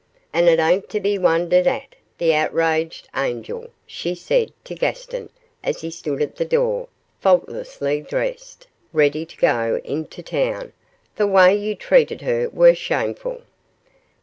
'And it ain't to be wondered at, the outraged angel,' she said to Gaston, as he stood at the door, faultlessly dressed, ready to go into town; 'the way you treated her were shameful.